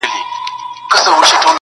اوس سره جار وتو رباب سومه نغمه یمه-